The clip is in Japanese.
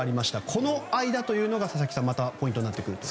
この間というのが佐々木さんまたポイントになってくる。